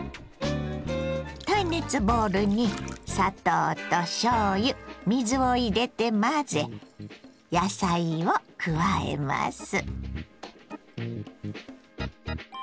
耐熱ボウルに砂糖としょうゆ水を入れて混ぜ野菜を加えます。